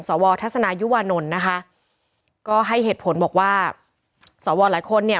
สวทัศนายุวานนท์นะคะก็ให้เหตุผลบอกว่าสวหลายคนเนี่ย